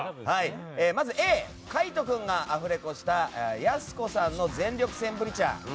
まずＡ海渡君がアフレコしたやす子さんの全力センブリ茶。